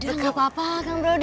udah nggak apa apa kang brody